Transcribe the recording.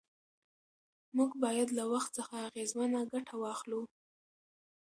موږ باید له وخت څخه اغېزمنه ګټه واخلو